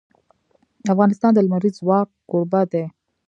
افغانستان د لمریز ځواک کوربه دی.